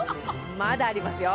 まだありますよ